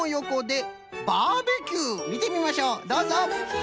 みてみましょうどうぞ。